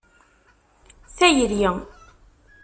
Tayri.